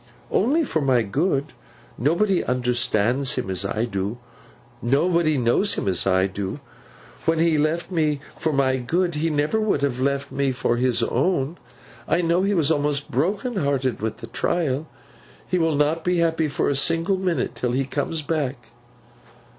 'Only for my good. Nobody understands him as I do; nobody knows him as I do. When he left me for my good—he never would have left me for his own—I know he was almost broken hearted with the trial. He will not be happy for a single minute, till he comes back.